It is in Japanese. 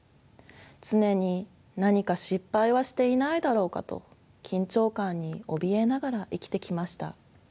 常に「何か失敗はしていないだろうか」と緊張感におびえながら生きてきました。